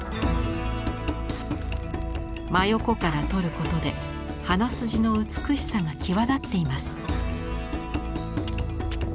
真横から撮ることで鼻筋の美しさが際立っています。